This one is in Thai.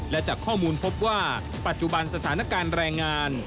และจากข้อมูลพบว่าปัจจุบันสถานการณ์แรงงาน